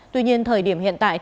tuy nhiên thời điểm hiện tại